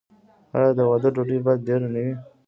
آیا د واده ډوډۍ باید ډیره نه وي؟